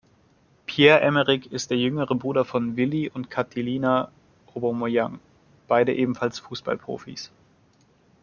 Pierre-Emerick ist der jüngere Bruder von Willy und Catilina Aubameyang, beide ebenfalls Fußballprofis.